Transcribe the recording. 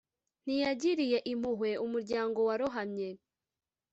Ntiyagiriye impuhwe umuryango warohamye,